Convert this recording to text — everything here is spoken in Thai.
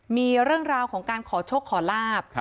มีเรื่องราวของการขอโชคขอลาบ